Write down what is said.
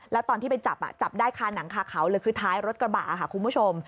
แล้วตอนที่ไปจับจับได้คาหนังคาเขาเลยคือท้ายรถกระบะค่ะคุณผู้ชม